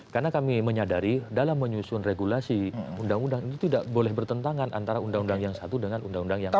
karena kami menyadari dalam menyusun regulasi undang undang itu tidak boleh bertentangan antara undang undang yang satu dengan undang undang yang lain